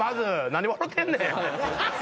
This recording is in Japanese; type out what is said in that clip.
何笑うてんねん。